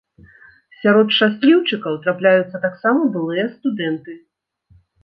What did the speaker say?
Сярод шчасліўчыкаў трапляюцца таксама былыя студэнты.